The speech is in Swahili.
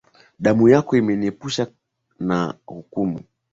Damu yako imeniepusha na hukumu.